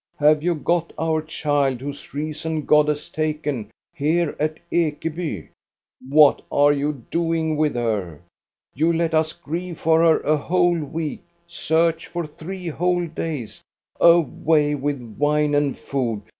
Have you got our child, whose reason God has taken, here at Ekeby t What are you doing with her ? You let us grieve for her a whole week, search for three whole days. Away with wine and food!